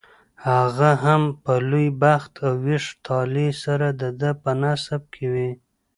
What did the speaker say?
هغه هم په لوی بخت او ویښ طالع سره دده په نصیب کې وي.